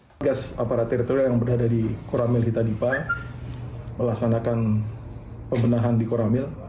satgas aparat teritorial yang berada di koramil hitadipa melaksanakan pembenahan di koramil